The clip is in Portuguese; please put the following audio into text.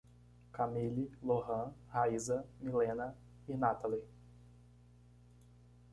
Kamilly, Lorran, Raysa, Millena e Nathaly